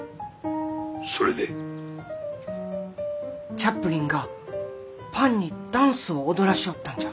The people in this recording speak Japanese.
チャップリンがパンにダンスを踊らしょうったんじゃ。